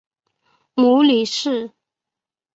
母李氏。